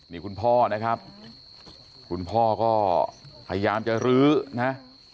นี่คุณพ่อนะครับคุณพ่อก็พยายามจะรื้อนะ